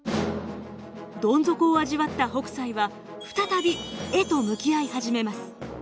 どん底を味わった北斎は再び絵と向き合い始めます。